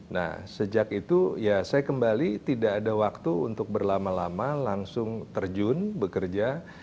nah sejak itu ya saya kembali tidak ada waktu untuk berlama lama langsung terjun bekerja